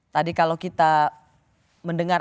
tadi kalau kita mendengar